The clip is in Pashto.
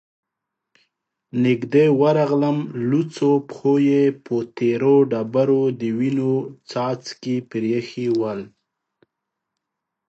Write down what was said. نږدې ورغلم، لوڅو پښو يې په تېرو ډبرو د وينو څاڅکې پرېښي ول،